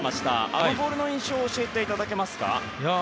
あのボールの印象を教えていただけますか？